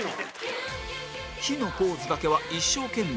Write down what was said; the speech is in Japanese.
「ひ」のポーズだけは一生懸命